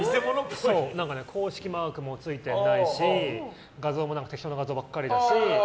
公式マークもついてないし画像も適当な画像ばっかりだし。